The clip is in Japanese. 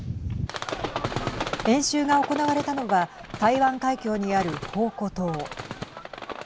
演習が行われたのは台湾海峡にある澎湖島。